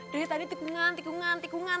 dari tadi tikungan tikungan tikungan